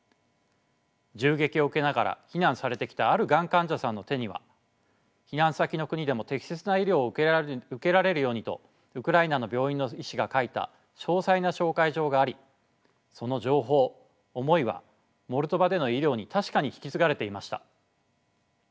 銃撃を受けながら避難されてきたあるがん患者さんの手には避難先の国でも適切な医療を受けられるようにとウクライナの病院の医師が書いた詳細な紹介状がありその情報思いはモルドバでの医療に確かに引き継がれていました。